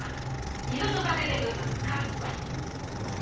「二度とかけてくんなカス！」